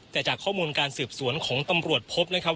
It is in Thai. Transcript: แต่จากข้อมูลสืบสวนของการตำรวจพบว่า